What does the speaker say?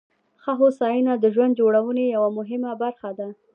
ښه هوساینه د ژوند جوړونې یوه مهمه برخه ده.